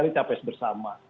kita pes bersama